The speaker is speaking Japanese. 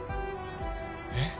えっ？